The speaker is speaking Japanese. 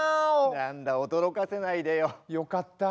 何だ驚かせないでよ。よかった。